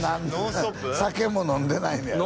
酒も飲んでないねやろ？